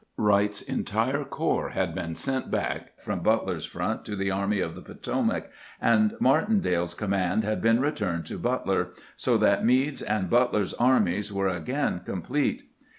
Wright's entire corps had been sent back from Butler's front to the Army of the Potomac, and Martindale's command had been returned to Butler, so that Meade's and But ler's armies were again complete.